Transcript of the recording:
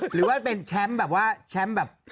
หรือว่าเป็นแชมป์แบบว่าแชมป์แบบ